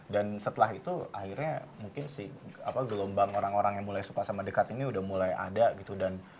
dan setelah itu akhirnya mungkin si gelombang orang orang yang suka sama dekat ini udah mulai ada gitu